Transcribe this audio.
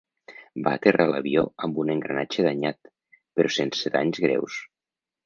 Va aterrar l'avió amb un engranatge danyat, però sense danys greus.